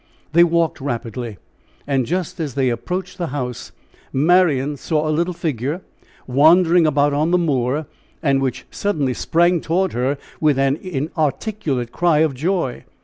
They walked rapidly, and just as they approached the house Marian saw a little figure wandering about on the moor, and which suddenly sprang toward her with an articulate cry of joy!